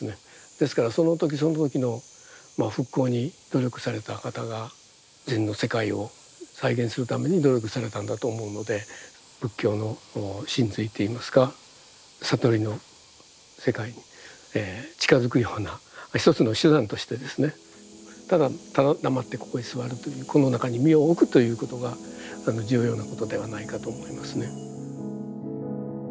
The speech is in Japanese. ですからその時その時の復興に努力された方が禅の世界を再現するために努力されたんだと思うので仏教の神髄っていいますか悟りの世界に近づくような一つの手段としてですねただただ黙ってここへ座るというこの中に身を置くということが重要なことではないかと思いますね。